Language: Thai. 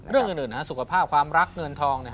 เรื่องอื่นสุขภาพความรักเงินทอง